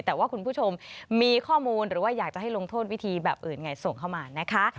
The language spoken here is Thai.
แต่ว่าคุณผู้ชมมีข้อมูลหรือว่าอยากจะให้ลงโทษวิธีแบบอื่นไงส่งเข้ามานะคะ